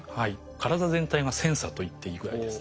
体全体がセンサーといっていいぐらいです。